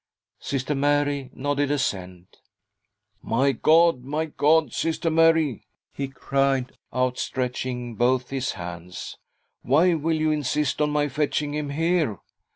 Sister Mary nodded assent. " My God, my God, Sister Mary," he cried, out stretching both his. hands, " why will you insist on my fetching him here?